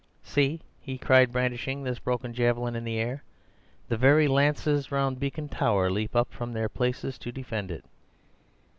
"See!" he cried, brandishing this broken javelin in the air, "the very lances round Beacon Tower leap from their places to defend it.